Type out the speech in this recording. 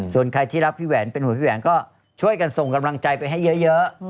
ส่วนใครที่รักพี่แหวนเป็นห่วงพี่แหวนก็ช่วยกันส่งกำลังใจไปให้เยอะ